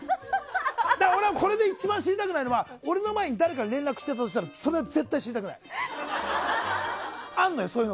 俺がこれで一番知りたくないのは俺の前に誰かに連絡してたとしたらそれは絶対に知りたくない。